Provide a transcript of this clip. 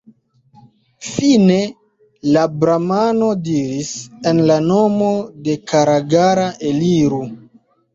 Fine la bramano diris: « En la nomo de Karagara, eliru!